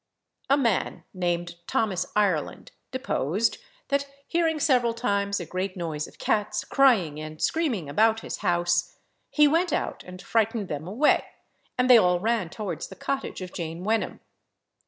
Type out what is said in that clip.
A man, named Thomas Ireland, deposed, that hearing several times a great noise of cats crying and screaming about his house, he went out and frightened them away, and they all ran towards the cottage of Jane Wenham.